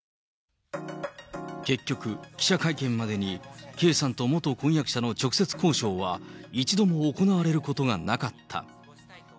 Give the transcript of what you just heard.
結局、記者会見までに、圭さんと元婚約者の直接交渉は一度も行われることがなかった。